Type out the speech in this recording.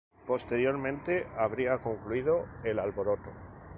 Posteriormente habría concluido el alboroto.